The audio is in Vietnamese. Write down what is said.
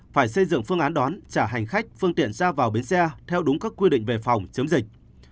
phải xây dựng phương án đón trả hành khách phương tiện ra vào biến xe theo đúng các quy định về phòng chống dịch